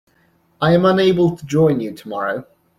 I am unable to join you tomorrow.